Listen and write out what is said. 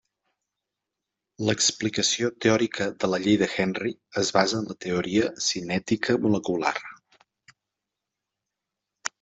L'explicació teòrica de la llei de Henry es basa en la teoria cinètica molecular.